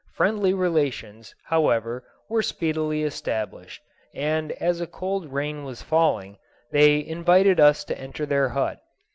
Friendly relations, however, were speedily established, and as a cold rain was falling, they invited us to enter their hut.